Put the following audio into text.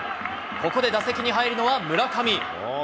ここで打席に入るのは村上。